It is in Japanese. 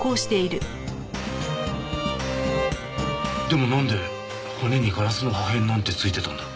でもなんで骨にガラスの破片なんて付いてたんだ？